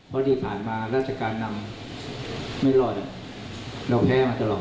เพราะที่ผ่านมาราชการนำไม่รอดเราแพ้มาตลอด